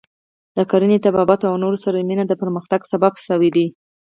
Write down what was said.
له کرانې، طبابت او نورو سره مینه یې د پرمختګ سبب شوې ده.